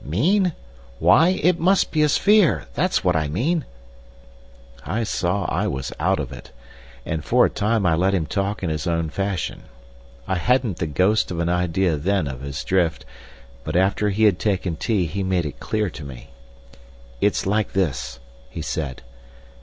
"Mean? Why—it must be a sphere! That's what I mean!" I saw I was out of it, and for a time I let him talk in his own fashion. I hadn't the ghost of an idea then of his drift. But after he had taken tea he made it clear to me. "It's like this," he said.